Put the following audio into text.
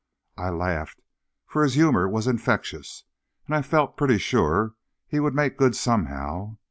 I laughed, for his humor was infectious, and I felt pretty sure he would make good somehow.